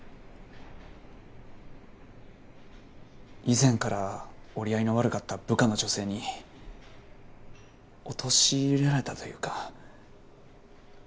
以前から折り合いの悪かった部下の女性に陥れられたというか。